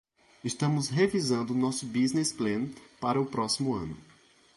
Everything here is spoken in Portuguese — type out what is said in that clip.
Estamos revisando nosso business plan para o próximo ano.